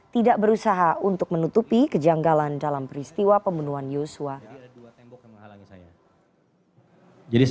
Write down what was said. tidak berusaha untuk menutupi kejanggalan dalam peristiwa pembunuhan yusua